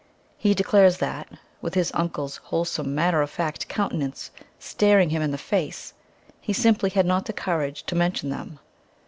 He declares that, with his uncle's wholesome, matter of fact countenance staring him in the face, he simply had not the courage to mention them.